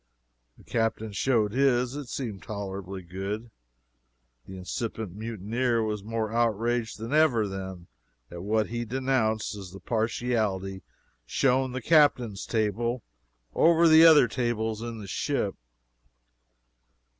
The Captain showed his. It seemed tolerably good. The incipient mutineer was more outraged than ever, then, at what he denounced as the partiality shown the captain's table over the other tables in the ship.